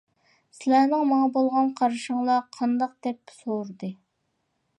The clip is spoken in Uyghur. سىلەرنىڭ ماڭا بولغان قارىشىڭلار قانداق؟ -دەپ سورىدى.